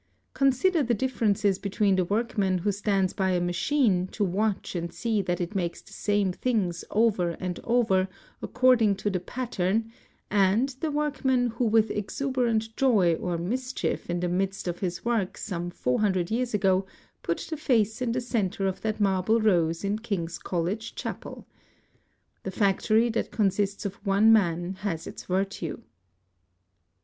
Consider the differences be tween the workman who stands by a machine to watch and see that it makes the same things over and over according to the pattern and the workman who with exuberant joy or mis chief in the midst of his work some four hundred years ago put the face in the center of that marble rose in King's College Chapel. The factory that consists of one man has its virtue.